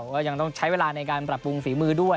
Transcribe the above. ก็ยังต้องใช้เวลาในการปรับปรุงฝีมือด้วย